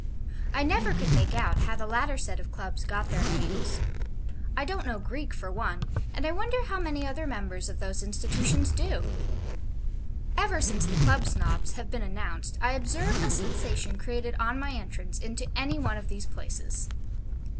I never could make out how the latter set of Clubs got their names; I don't know Greek for one, and I wonder how many other members of those institutions do? Ever since the Club Snobs have been announced, I observe a sensation created on my entrance into any one of these places.